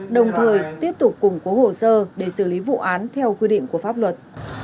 đồng thời tiếp tục củng cố hồ sơ để xử lý vụ án theo quy định của pháp luật